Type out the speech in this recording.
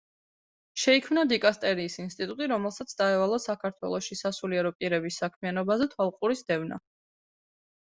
შეიქმნა დიკასტერიის ინსტიტუტი, რომელსაც დაევალა საქართველოში სასულიერო პირების საქმიანობაზე თვალყურის დევნა.